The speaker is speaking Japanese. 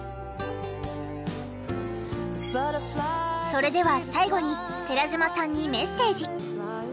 それでは最後に寺島さんにメッセージ。